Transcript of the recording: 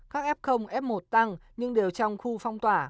các f f một tăng nhưng đều trong khu phong tỏa